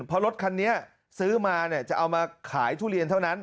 เพราะรถคันนี้ซื้อมาจะเอามาขายทุเรียนเท่านั้น